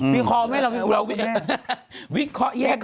มีคอมไหมเราคุยกันแน่